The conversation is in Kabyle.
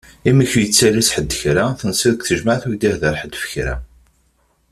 Imi ur ak-yettalas ḥed kra! Tensiḍ deg tejmaɛt ur ak-d-yehḍir ḥed ɣef kra.